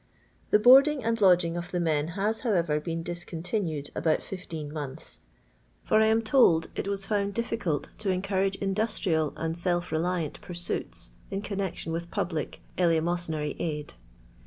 The boarding and lodging of the men has, however, been diseontinued about fifteen months ; for I am told it was found difficult to encourage industrial and self reliant pursuits in connection with public elee mosynary aid.